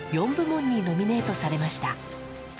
４部門にノミネートされました。